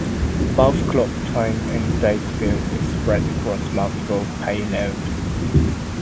Above clock time and data field is spread across multiple payload.